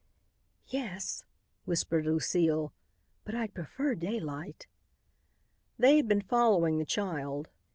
"Yes," whispered Lucile, "but I'd prefer daylight." They had been following the child.